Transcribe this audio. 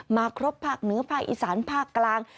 มาครบภาคเหนือภาคอีสานภาคกลาง